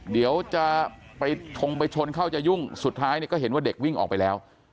เดี๋ยวจะไปทงไปชนเข้าจะยุ่งสุดท้ายเนี่ยก็เห็นว่าเด็กวิ่งออกไปแล้ว